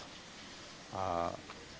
kita akan mencoba